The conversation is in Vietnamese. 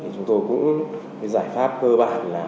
chúng tôi cũng giải pháp cơ bản là